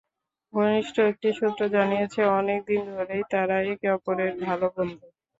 ঘনিষ্ঠ একটি সূত্র জানিয়েছে, অনেক দিন ধরেই তাঁরা একে অপরের ভালো বন্ধু।